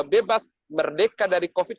bebas merdeka dari covid